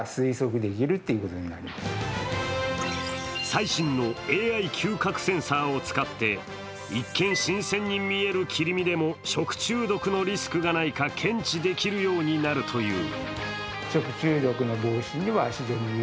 最新のＡＩ臭覚センサーを使って、一見、新鮮に見える切り身でも食中毒のリスクがないか検知できるようになるという。